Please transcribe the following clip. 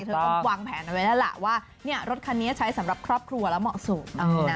เธอก็วางแผนเอาไว้แล้วล่ะว่ารถคันนี้ใช้สำหรับครอบครัวแล้วเหมาะสม